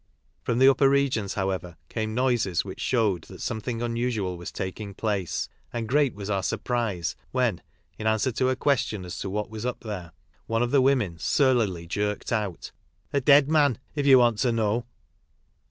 From the upper regions, however, came noises which showed that something unusual was taking place, and great was our surprise when, in answer to a question as to what was up there, one of the women surlily jerked out, " A dead man, if ye want to know."